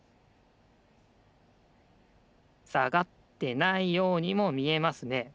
さがってないようにもみえますね。